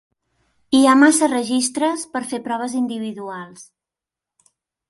Hi ha massa registres per fer proves individuals.